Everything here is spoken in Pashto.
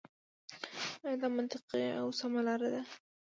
آيـا دا مـنطـقـي او سـمـه لاره ده.